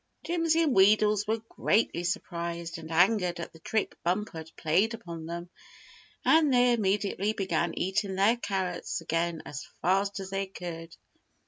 Jimsy and Wheedles were greatly surprised and angered at the trick Bumper had played upon them, and they immediately began eating their carrots again as fast as they could.